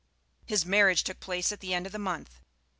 His marriage took place at the end of a month.